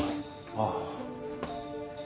ああ。